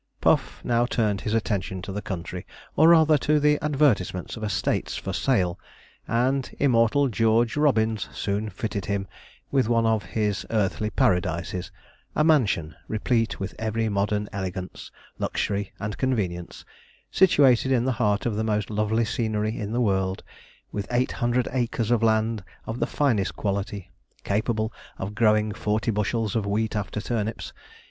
Puff now turned his attention to the country, or rather to the advertisements of estates for sale, and immortal George Robins soon fitted him with one of his earthly paradises; a mansion replete with every modern elegance, luxury, and convenience, situated in the heart of the most lovely scenery in the world, with eight hundred acres of land of the finest quality, capable of growing forty bushels of wheat after turnips.